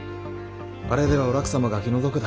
あれではお楽様が気の毒だ。